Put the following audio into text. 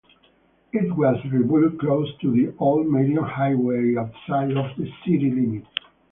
It was rebuilt close to the old Marion highway, outside of the city limits.